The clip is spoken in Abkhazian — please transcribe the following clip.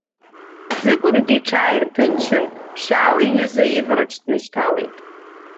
Ӡыкәыргьы иҽааирҭынчын, ԥшьаала иҩыза ивараҿы днышьҭалеит.